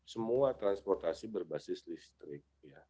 semua transportasi berbasis listrik